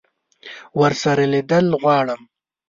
ورسره لیدل غواړم.